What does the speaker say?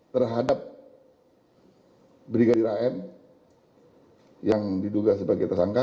terhadap brigadir am yang diduga sebagai tersangka